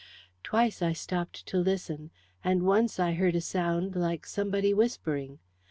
Twice I stopped to listen, and once I heard a sound like somebody whispering.